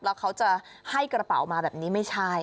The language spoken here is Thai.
แล้วเขาจะให้กระเป๋ามาแบบนี้ไม่ใช่